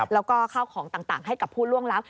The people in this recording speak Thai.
แล้วก็ข้าวของต่างให้กับผู้ล่วงลับ